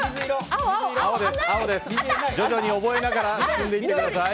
徐々に覚えながら進んでいってください。